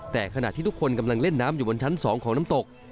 แต่ขณะที่ทุกคนกำลังเล่นน้ำอยู่บนชั้น๒ของน้ำตก